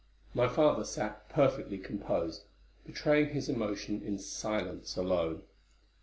My father sat perfectly composed, betraying his emotion in silence alone.